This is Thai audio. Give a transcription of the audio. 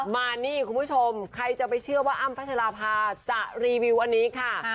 มานี่คุณผู้ชมใครจะไปเชื่อว่าอ้ำพัชราภาจะรีวิวอันนี้ค่ะ